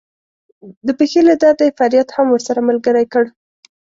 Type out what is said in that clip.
د پښې له درده یې فریاد هم ورسره ملګری کړ.